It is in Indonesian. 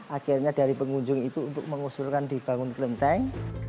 akhirnya dari pengunjung itu untuk mengusulkan dibangun kelenteng